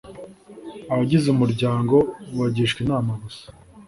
abagize umuryango bagishwa inama gusa